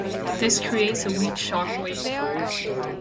This creates a weak shock wave.